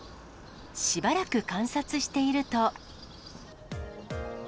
しばらく観察していると。